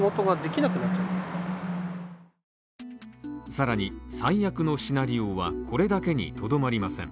さらに、最悪のシナリオはこれだけにとどまりません。